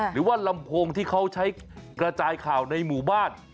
หรือว่าลำโพงที่เขาใช้กระจายข่าวในหมู่บ้าน